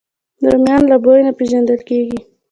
رومیان له بوی نه پېژندل کېږي